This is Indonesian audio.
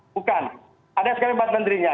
bukan ada sekali empat menterinya